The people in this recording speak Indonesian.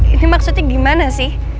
ini maksudnya gimana sih